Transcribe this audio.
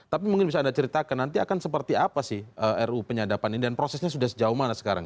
tapi mungkin bisa anda ceritakan nanti akan seperti apa sih ruu penyadapan ini dan prosesnya sudah sejauh mana sekarang